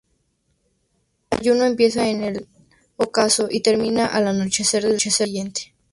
El ayuno empieza en el ocaso y termina al anochecer del día siguiente.